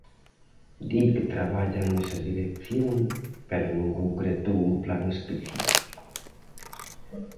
Di que traballan nesa dirección, pero non concretou un plan específico.